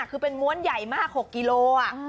คือเป็นม้วนใหญ่มาก๖กิโล